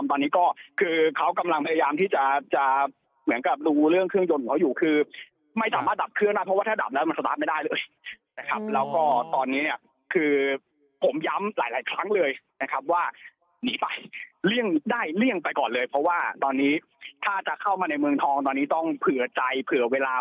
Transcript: ตอนนี้ก็คือเขากำลังพยายามที่จะจะเหมือนกับรู้เรื่องเครื่องยนต์ของเขาอยู่คือไม่สามารถดับเครื่องได้เพราะว่าถ้าดับแล้วมันสตาร์ทไม่ได้เลยนะครับแล้วก็ตอนนี้เนี่ยคือผมย้ำหลายครั้งเลยนะครับว่าหนีไปเลี่ยงได้เลี่ยงไปก่อนเลยเพราะว่าตอนนี้ถ้าจะเข้ามาในเมืองทองตอนนี้ต้องเผื่อใจเผื่อเวลา